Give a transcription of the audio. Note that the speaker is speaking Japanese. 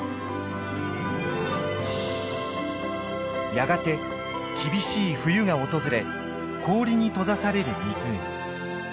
やがて厳しい冬が訪れ氷に閉ざされる湖。